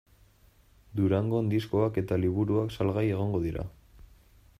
Durangon diskoak eta liburuak salgai egongo dira.